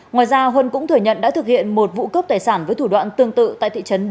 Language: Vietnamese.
ngoài ra huân cũng thừa nhận đã thực hiện một vụ cướp tài sản với thủ đoạn tương tự tại thị trấn bến lức huyện bến lức